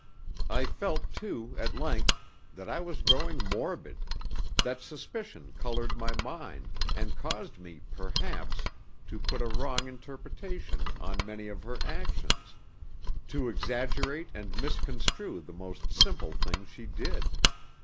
I felt, too, at length, that I was growing morbid, that suspicion coloured my mind and caused me, perhaps, to put a wrong interpretation on many of her actions, to exaggerate and misconstrue the most simple things she did.